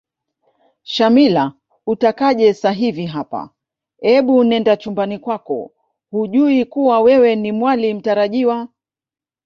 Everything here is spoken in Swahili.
Shamila utakaje sahivi hapa ebu nenda chumbani kwako hujui kuwa wewe Ni mwali mtarajiwa